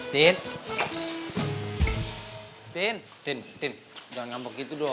tin jangan ngambek gitu dong